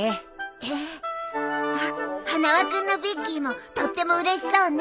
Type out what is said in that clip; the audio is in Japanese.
えっ？は花輪君のビッキーもとってもうれしそうね。